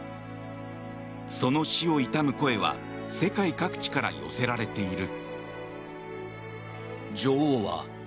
その死を悼む声は世界各地から寄せられている。